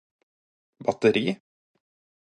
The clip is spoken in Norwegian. batteri